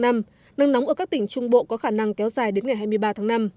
nắng nóng ở các tỉnh trung bộ có khả năng kéo dài đến ngày hai mươi ba tháng năm